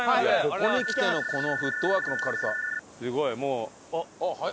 ここにきてのこのフットワークの軽さ。